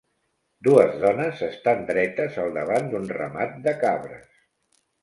Dues dones s'estan dretes al davant d'un ramat de cabres.